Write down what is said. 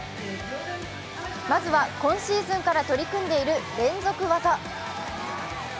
まずは今シーズンから取り組んでいる連続技。